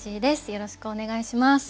よろしくお願いします。